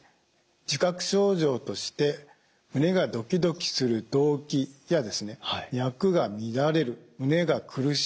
自覚症状として胸がドキドキする動悸や脈が乱れる胸が苦しい・